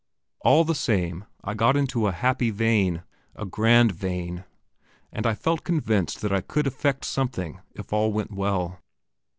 All the same, I got into a happy vein a grand vein, and I felt convinced that I could effect something if all went well.